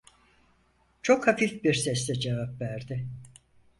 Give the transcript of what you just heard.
Çok hafif bir sesle cevap verdi: